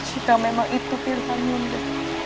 kita memang itu pilihan bunda